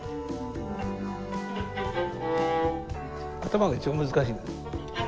頭が一番難しいんです。